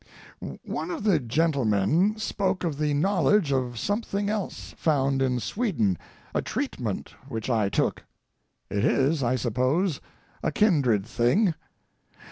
One of the gentlemen spoke of the knowledge of something else found in Sweden, a treatment which I took. It is, I suppose, a kindred thing.